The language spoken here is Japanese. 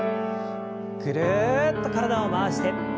ぐるっと体を回して。